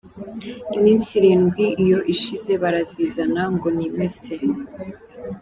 Iminsi irindwi iyo ishize barazizana ngo nimese.